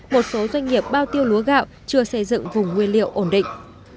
một số doanh nghiệp bao tiêu lúa gạo chưa xây dựng vùng nguyên liệu ổn định